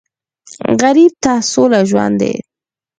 غریب ته سوله ژوند دی